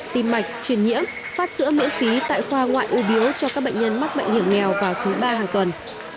tim mạch truyền nhiễm phát sữa miễn phí tại khoa ngoại u biếu cho các bệnh nhân mắc bệnh hiểm nghèo vào thứ ba hàng tuần